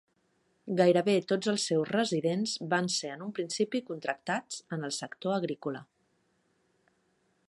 Gairebé tots els seus residents van ser en un principi contractats en el sector agrícola.